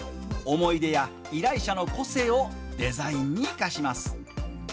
思い出や依頼者の個性をデザインに生かします。